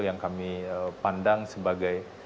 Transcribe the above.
yang kami pandang sebagai